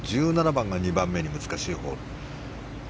１７番が２番目に難しいホール。